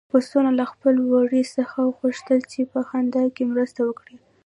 پسونو له خپل وري څخه وغوښتل چې په خندا کې مرسته وکړي.